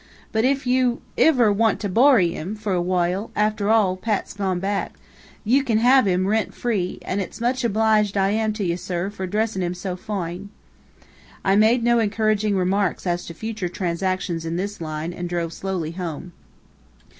But if ye iver want to borry him, for a whoile, after owle Pat's gone back, ye kin have him, rint free; an' it's much obloiged I am to ye, sir, fur dressin' him so foine." I made no encouraging remarks as to future transactions in this line, and drove slowly home.